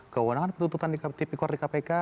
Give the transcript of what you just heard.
keuangan keuangan penuntutan di kpk